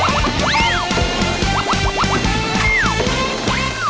ออบจมหาสนุก